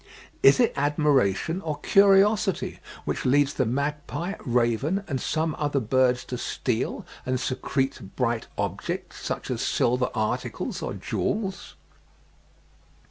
Is it admiration or curiosity which leads the magpie, raven, and some other birds to steal and secrete bright objects, such as silver articles or jewels?